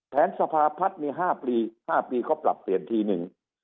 แผนสภาพัฒน์มี๕ปี๕ปีก็ปรับเปลี่ยนทีนึง